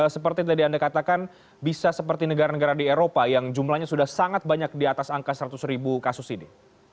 seperti tadi anda katakan bisa seperti negara negara di eropa yang jumlahnya sudah sangat banyak di atas angka seratus ribu kasus ini